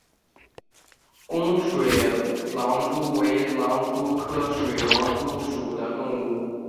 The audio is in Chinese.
弓水狼蛛为狼蛛科水狼蛛属的动物。